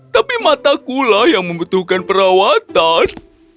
tapi matakulah yang membutuhkan perawatan